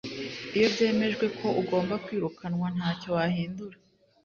Iyo byemejwe ko ugomba kwirukanwa ntacyo wahindura